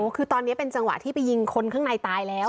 คือตอนนี้เป็นจังหวะที่ไปยิงคนข้างในตายแล้ว